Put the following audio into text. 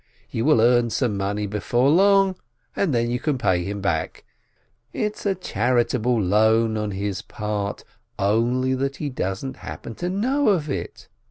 You will earn some money before long, and then you can pay him back — it's a charitable loan on his part, only that he doesn't happen to know of it.